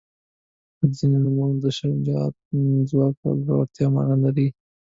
• ځینې نومونه د شجاعت، ځواک او زړورتیا معنا لري.